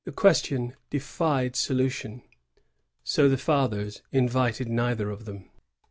167 qnestion defied solution; so the fiktheis inyited neither of them.